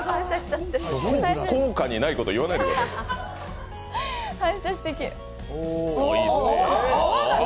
効果にないこと言わないでください。